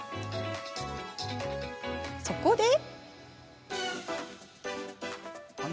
そこで。